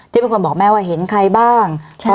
ที่เป็นคนบอกแม่ว่าเห็นใครบ้าง